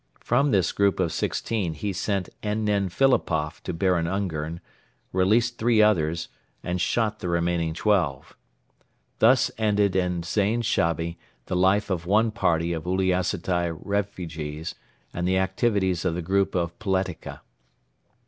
From this group of sixteen he sent N. N. Philipoff to Baron Ungern, released three others and shot the remaining twelve. Thus ended in Zain Shabi the life of one party of Uliassutai refugees and the activities of the group of Poletika.